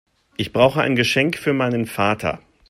Ich brauche ein Geschenk für meinen Vater.